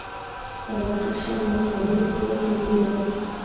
صدقه شه ناقابل زویه تر لوره